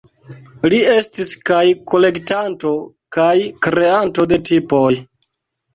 Li estis kaj kolektanto kaj kreanto de tipoj.